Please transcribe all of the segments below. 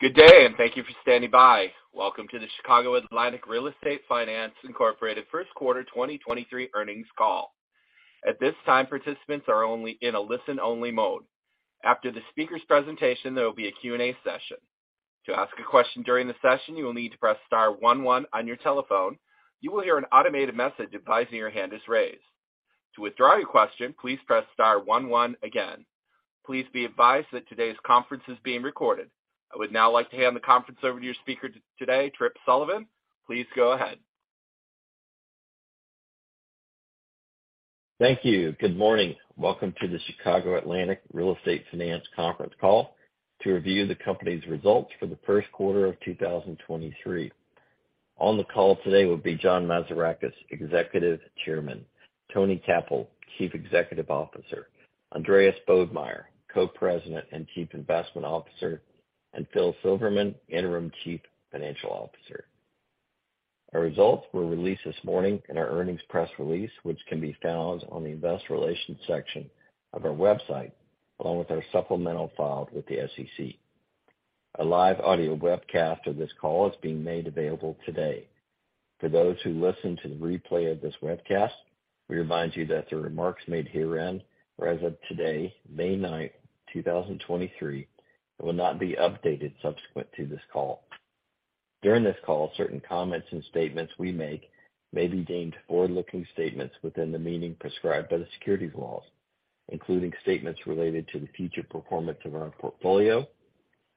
Good day. Thank you for standing by. Welcome to the Chicago Atlantic Real Estate Finance Incorporated First Quarter 2023 earnings call. At this time, participants are only in a listen only mode. After the speaker's presentation, there will be a Q&A session. To ask a question during the session, you will need to press star one one on your telephone. You will hear an automated message advising your hand is raised. To withdraw your question, please press star one one again. Please be advised that today's conference is being recorded. I would now like to hand the conference over to your speaker today, Tripp Sullivan. Please go ahead. Thank you. Good morning. Welcome to the Chicago Atlantic Real Estate Finance conference call to review the company's results for the first quarter of 2023. On the call today will be John Mazarakis, Executive Chairman, Tony Cappell, Chief Executive Officer, Andreas Bodmeier, Co-President and Chief Investment Officer, and Phil Silverman, Interim Chief Financial Officer. Our results were released this morning in our earnings press release, which can be found on the investor relations section of our website, along with our supplemental filed with the SEC. A live audio webcast of this call is being made available today. For those who listen to the replay of this webcast, we remind you that the remarks made herein were as of today, May 9, 2023, and will not be updated subsequent to this call. During this call, certain comments and statements we make may be deemed forward-looking statements within the meaning prescribed by the securities laws, including statements related to the future performance of our portfolio,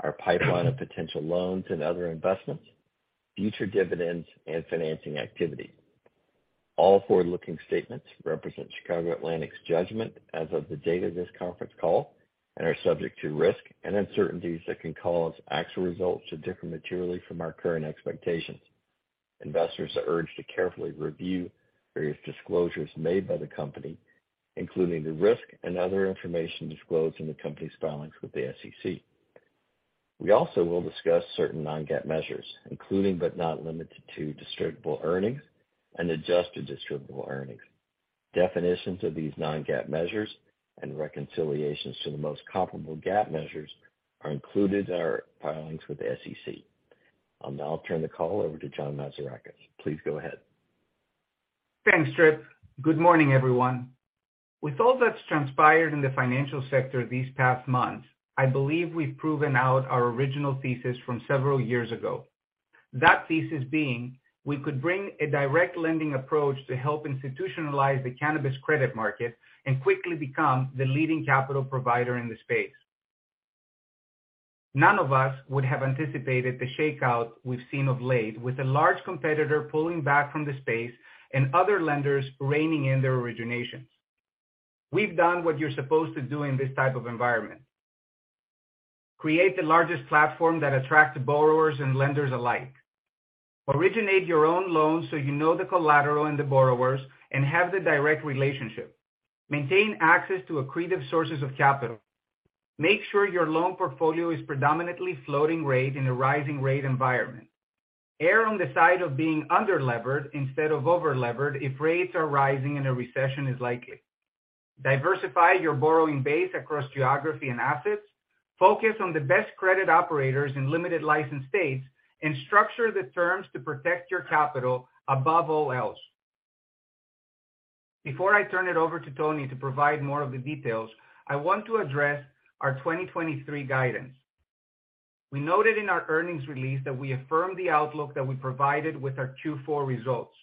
our pipeline of potential loans and other investments, future dividends and financing activity. All forward-looking statements represent Chicago Atlantic's judgment as of the date of this conference call and are subject to risk and uncertainties that can cause actual results to differ materially from our current expectations. Investors are urged to carefully review various disclosures made by the company, including the risk and other information disclosed in the company's filings with the SEC. We also will discuss certain non-GAAP measures, including, but not limited to distributable earnings and adjusted distributable earnings. Definitions of these non-GAAP measures and reconciliations to the most comparable GAAP measures are included in our filings with the SEC. I'll now turn the call over to John Mazarakis. Please go ahead. Thanks, Tripp. Good morning, everyone. With all that's transpired in the financial sector these past months, I believe we've proven out our original thesis from several years ago. That thesis being, we could bring a direct lending approach to help institutionalize the cannabis credit market and quickly become the leading capital provider in the space. None of us would have anticipated the shakeout we've seen of late, with a large competitor pulling back from the space and other lenders reining in their originations. We've done what you're supposed to do in this type of environment. Create the largest platform that attracts borrowers and lenders alike. Originate your own loans so you know the collateral and the borrowers and have the direct relationship. Maintain access to accretive sources of capital. Make sure your loan portfolio is predominantly floating rate in a rising rate environment. Err on the side of being under-levered instead of over-levered if rates are rising and a recession is likely. Diversify your borrowing base across geography and assets. Focus on the best credit operators in limited license states and structure the terms to protect your capital above all else. Before I turn it over to Tony to provide more of the details, I want to address our 2023 guidance. We noted in our earnings release that we affirmed the outlook that we provided with our Q4 results.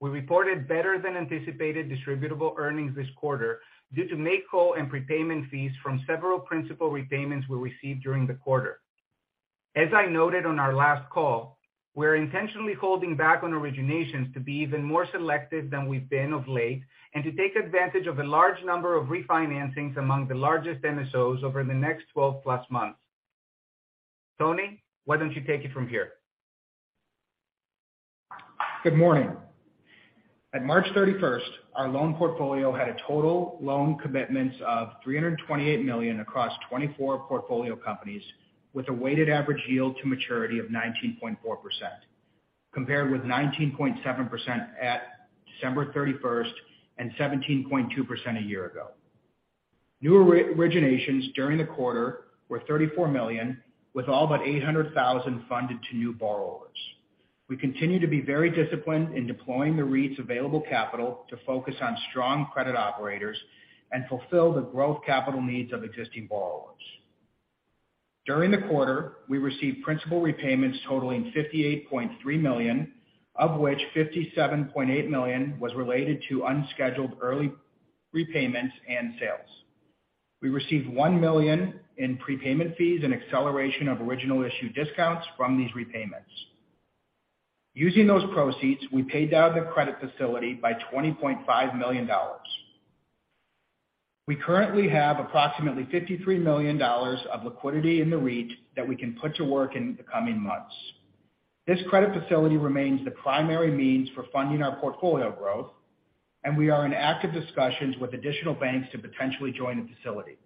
We reported better than anticipated distributable earnings this quarter due to make-whole and prepayment fees from several principal repayments we received during the quarter. As I noted on our last call, we're intentionally holding back on originations to be even more selective than we've been of late and to take advantage of a large number of refinancings among the largest MSOs over the next 12+ months. Tony, why don't you take it from here? Good morning. At March 31st, our loan portfolio had a total loan commitments of $328 million across 24 portfolio companies with a weighted average yield to maturity of 19.4%, compared with 19.7% at December 31st and 17.2% a year ago. New originations during the quarter were $34 million, with all but $800,000 funded to new borrowers. We continue to be very disciplined in deploying the REIT's available capital to focus on strong credit operators and fulfill the growth capital needs of existing borrowers. During the quarter, we received principal repayments totaling $58.3 million, of which $57.8 million was related to unscheduled early prepayments and sales. We received $1 million in prepayment fees and acceleration of original issue discounts from these repayments. Using those proceeds, we paid down the credit facility by $20.5 million. We currently have approximately $53 million of liquidity in the REIT that we can put to work in the coming months. This credit facility remains the primary means for funding our portfolio growth, and we are in active discussions with additional banks to potentially join the facility.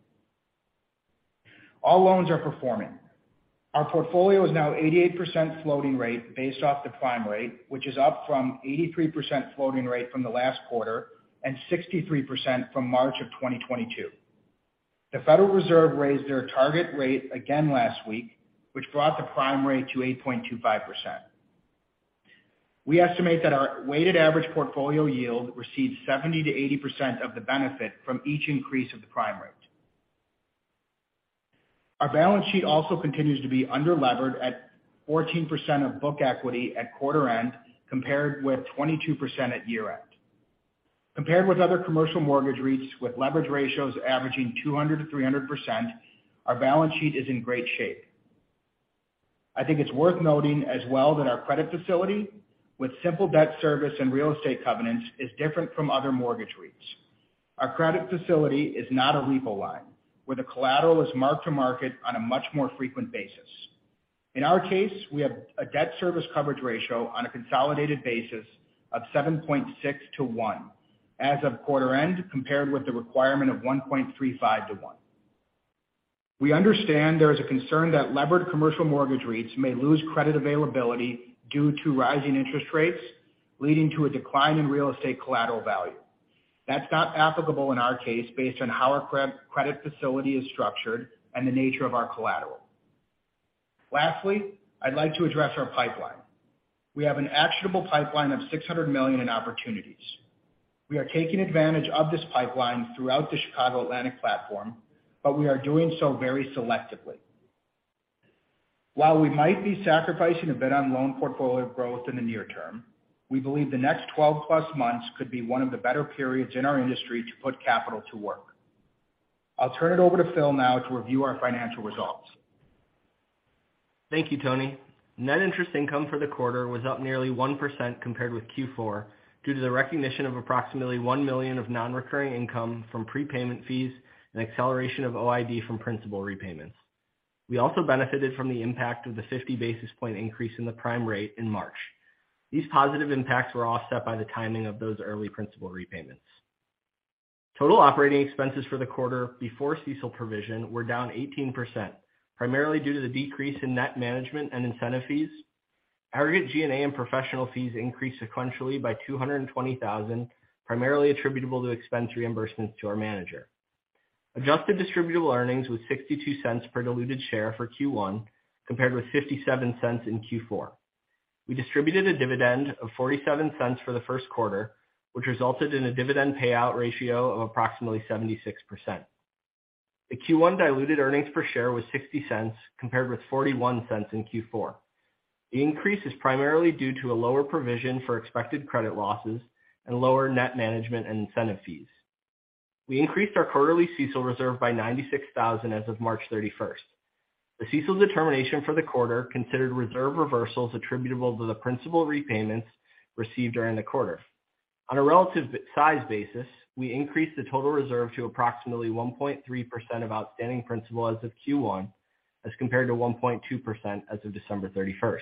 All loans are performing. Our portfolio is now 88% floating rate based off the prime rate, which is up from 83% floating rate from the last quarter and 63% from March of 2022. The Federal Reserve raised their target rate again last week, which brought the prime rate to 8.25%. We estimate that our weighted average portfolio yield receives 70%-80% of the benefit from each increase of the prime rate. Our balance sheet also continues to be underlevered at 14% of book equity at quarter end, compared with 22% at year-end. Compared with other commercial mortgage REITs with leverage ratios averaging 200%-300%, our balance sheet is in great shape. I think it's worth noting as well that our credit facility with simple debt service and real estate covenants is different from other mortgage REITs. Our credit facility is not a repo line where the collateral is mark-to-market on a much more frequent basis. In our case, we have a debt service coverage ratio on a consolidated basis of 7.6 to 1 as of quarter end, compared with the requirement of 1.35 to 1. We understand there is a concern that levered commercial mortgage REITs may lose credit availability due to rising interest rates, leading to a decline in real estate collateral value. That's not applicable in our case based on how our credit facility is structured and the nature of our collateral. Lastly, I'd like to address our pipeline. We have an actionable pipeline of $600 million in opportunities. We are taking advantage of this pipeline throughout the Chicago Atlantic platform, we are doing so very selectively. While we might be sacrificing a bit on loan portfolio growth in the near-term, we believe the next 12+ months could be one of the better periods in our industry to put capital to work. I'll turn it over to Phil now to review our financial results. Thank you, Tony. Net interest income for the quarter was up nearly 1% compared with Q4 due to the recognition of approximately $1 million of non-recurring income from prepayment fees and acceleration of OID from principal repayments. We also benefited from the impact of the 50 basis point increase in the prime rate in March. These positive impacts were offset by the timing of those early principal repayments. Total operating expenses for the quarter before CECL provision were down 18%, primarily due to the decrease in net management and incentive fees. Aggregate G&A and professional fees increased sequentially by $220,000, primarily attributable to expense reimbursements to our manager. Adjusted distributable earnings was $0.62 per diluted share for Q1, compared with $0.57 in Q4. We distributed a dividend of $0.47 for the first quarter, which resulted in a dividend payout ratio of approximately 76%. The Q1 diluted earnings per share was $0.60 compared with $0.41 in Q4. The increase is primarily due to a lower provision for expected credit losses and lower net management and incentive fees. We increased our quarterly CECL reserve by 96,000 as of March 31st. The CECL determination for the quarter considered reserve reversals attributable to the principal repayments received during the quarter. On a relative size basis, we increased the total reserve to approximately 1.3% of outstanding principal as of Q1, as compared to 1.2% as of December 31st.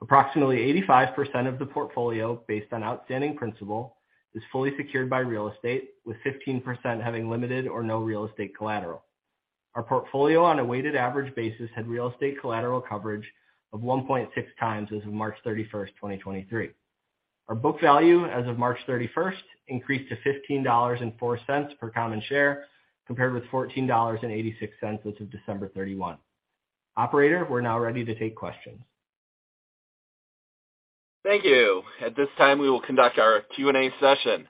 Approximately 85% of the portfolio based on outstanding principal is fully secured by real estate, with 15% having limited or no real estate collateral. Our portfolio on a weighted average basis had real estate collateral coverage of 1.6x as of March 31, 2023. Our book value as of March 31 increased to $15.04 per common share, compared with $14.86 as of December 31. Operator, we're now ready to take questions. Thank you. At this time, we will conduct our Q&A session.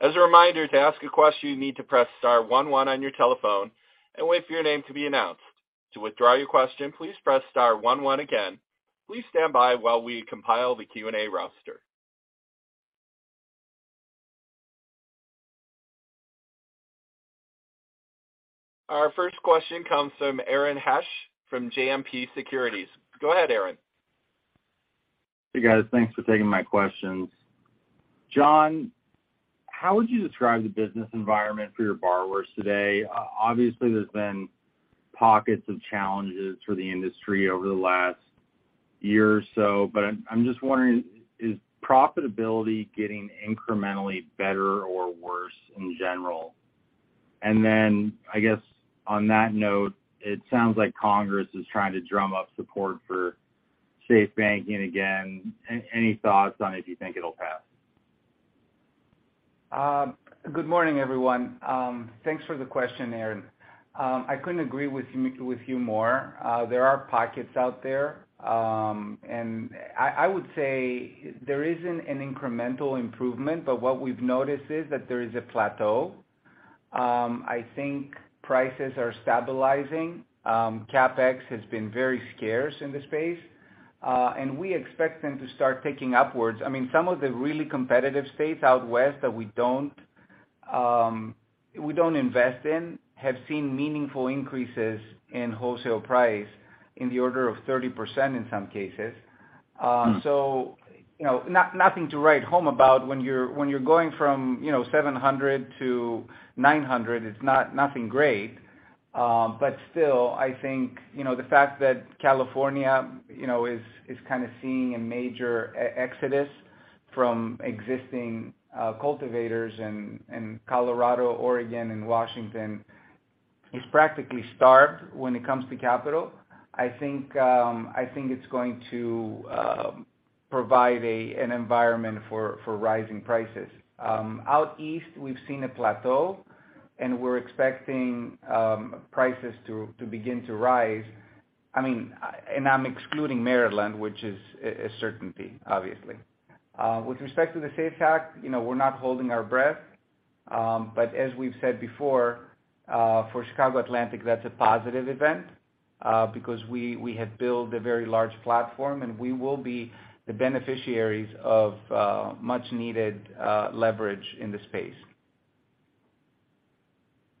As a reminder, to ask a question, you need to press star one one on your telephone and wait for your name to be announced. To withdraw your question, please press star one one again. Please stand by while we compile the Q&A roster. Our first question comes from Aaron Hecht from JMP Securities. Go ahead, Aaron. Hey, guys. Thanks for taking my questions. John, how would you describe the business environment for your borrowers today? Obviously, there's been pockets of challenges for the industry over the last year or so, but I'm just wondering, is profitability getting incrementally better or worse in general? I guess on that note, it sounds like Congress is trying to drum up support for SAFE Banking again. Any thoughts on if you think it'll pass? Good morning, everyone. Thanks for the question, Aaron. I couldn't agree with you more. There are pockets out there. I would say there isn't an incremental improvement, but what we've noticed is that there is a plateau. I think prices are stabilizing. CapEx has been very scarce in the space, and we expect them to start ticking upwards. I mean, some of the really competitive states out west that we don't, we don't invest in, have seen meaningful increases in wholesale price in the order of 30% in some cases. You know, nothing to write home about when you're going from, you know, $700 to $900, it's nothing great. Still, I think, you know, the fact that California, you know, is kind of seeing a major exodus from existing cultivators in Colorado, Oregon, and Washington is practically starved when it comes to capital. I think, I think it's going to provide an environment for rising prices. Out east, we've seen a plateau. We're expecting prices to begin to rise. I mean, and I'm excluding Maryland, which is a certainty, obviously. With respect to the SAFE Act, you know, we're not holding our breath. As we've said before, for Chicago Atlantic, that's a positive event, because we have built a very large platform, and we will be the beneficiaries of much needed leverage in the space.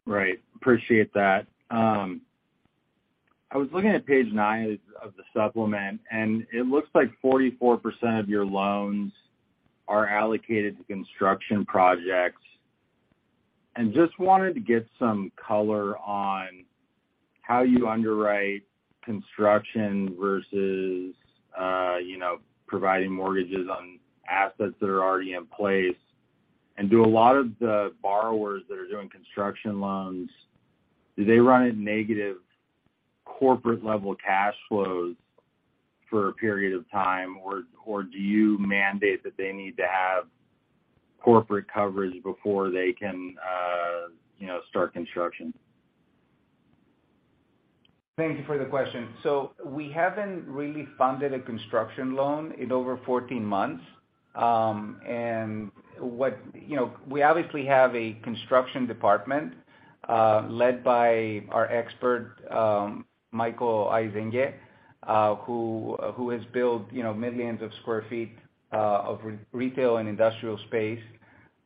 Right. Appreciate that. I was looking at page nine of the supplement, and it looks like 44% of your loans are allocated to construction projects. Just wanted to get some color on how you underwrite construction versus, you know, providing mortgages on assets that are already in place. Do a lot of the borrowers that are doing construction loans, do they run at negative corporate level cash flows for a period of time, or do you mandate that they need to have corporate coverage before they can, you know, start construction? Thank you for the question. We haven't really funded a construction loan in over 14 months. You know, we obviously have a construction department, led by our expert, Michael Eizenga, who has built, you know, millions of square feet of re-retail and industrial space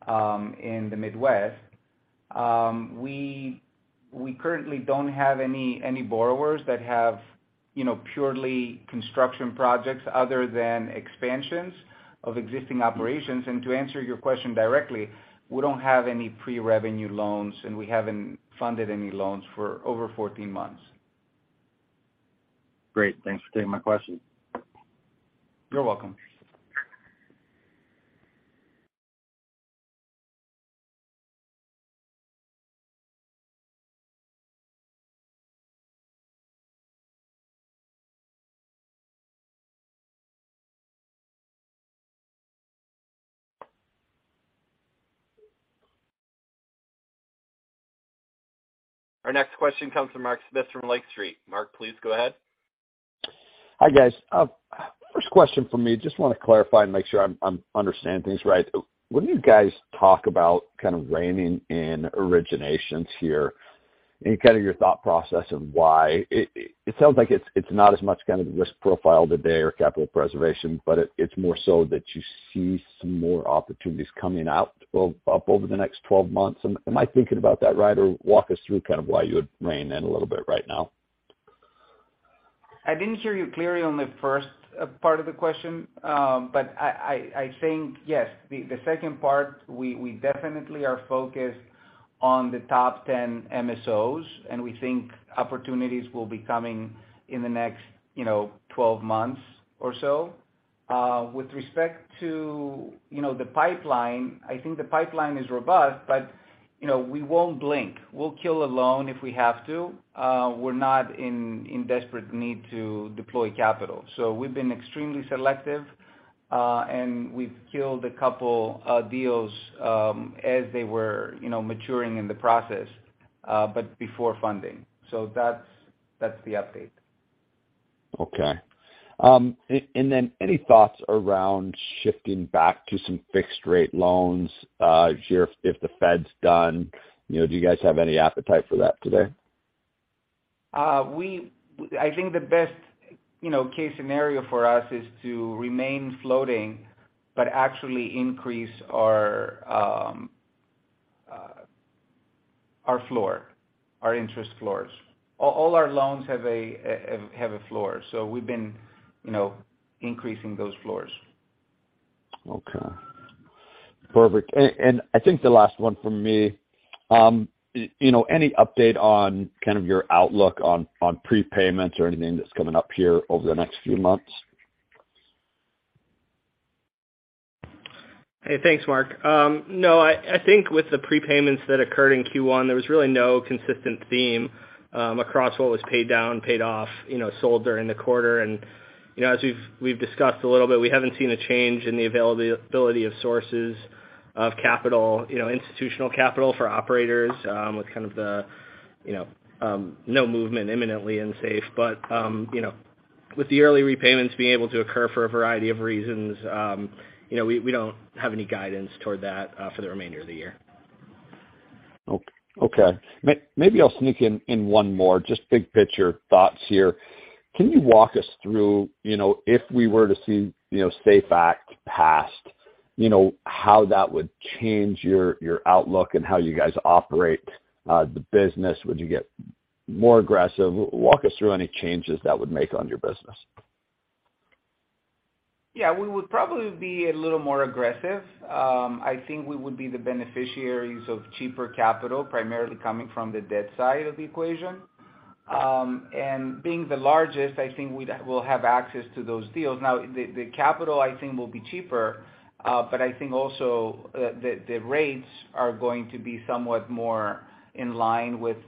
in the Midwest. We currently don't have any borrowers that have, you know, purely construction projects other than expansions of existing operations. To answer your question directly, we don't have any pre-revenue loans, and we haven't funded any loans for over 14 months. Great. Thanks for taking my question. You're welcome. Our next question comes from Mark Smith from Lake Street. Mark, please go ahead. Hi, guys. First question from me, just wanna clarify and make sure I'm understanding things right. When you guys talk about kind of reining in originations here and kind of your thought process and why, it sounds like it's not as much kind of the risk profile today or capital preservation, but it's more so that you see some more opportunities coming out, well, up over the next 12 months. Am I thinking about that right, or walk us through kind of why you would rein in a little bit right now? I didn't hear you clearly on the first part of the question. I think, yes, the second part, we definitely are focused on the top 10 MSOs, and we think opportunities will be coming in the next, you know, 12 months or so. With respect to, you know, the pipeline, I think the pipeline is robust, you know, we won't blink. We'll kill a loan if we have to. We're not in desperate need to deploy capital. We've been extremely selective, and we've killed a couple deals, as they were, you know, maturing in the process, but before funding. That's the update. Okay. Then any thoughts around shifting back to some fixed rate loans, if you're, if the Fed's done? You know, do you guys have any appetite for that today? I think the best, you know, case scenario for us is to remain floating, but actually increase our floor, our interest floors. All our loans have a floor, so we've been, you know, increasing those floors. Okay. Perfect. I think the last one from me, you know, any update on kind of your outlook on prepayments or anything that's coming up here over the next few months? Hey, thanks, Mark. No, I think with the prepayments that occurred in Q1, there was really no consistent theme, across what was paid down, paid off, you know, sold during the quarter. You know, as we've discussed a little bit, we haven't seen a change in the availability of sources of capital, you know, institutional capital for operators, with kind of the, you know, no movement imminently and SAFE. You know, with the early repayments being able to occur for a variety of reasons, you know, we don't have any guidance toward that, for the remainder of the year. Okay. Maybe I'll sneak in one more, just big picture thoughts here. Can you walk us through, you know, if we were to see, you know, SAFE Act passed, you know, how that would change your outlook and how you guys operate the business? Would you get more aggressive? Walk us through any changes that would make on your business. We would probably be a little more aggressive. I think we would be the beneficiaries of cheaper capital, primarily coming from the debt side of the equation. Being the largest, I think we'll have access to those deals. The capital, I think, will be cheaper, I think also the rates are going to be somewhat more in line with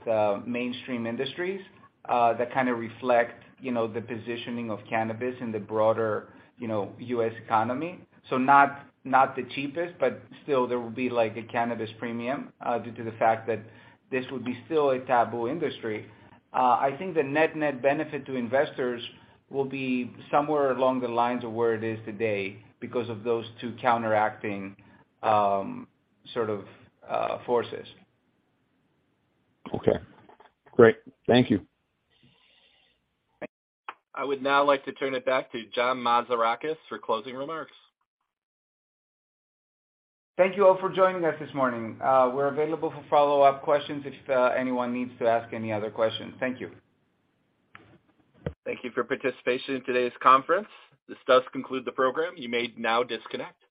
mainstream industries that kind of reflect, you know, the positioning of cannabis in the broader, you know, U.S. economy. Not the cheapest, but still there will be like a cannabis premium due to the fact that this would be still a taboo industry. I think the net-net benefit to investors will be somewhere along the lines of where it is today because of those two counteracting sort of forces. Okay. Great. Thank you. I would now like to turn it back to John Mazarakis for closing remarks. Thank you all for joining us this morning. We're available for follow-up questions if anyone needs to ask any other questions. Thank you. Thank you for participation in today's conference. This does conclude the program. You may now disconnect.